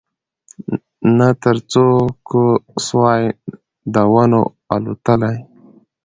نه تر څوکو سوای د ونو الوتلای